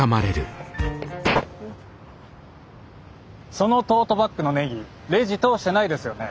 そのトートバッグのネギレジ通してないですよね？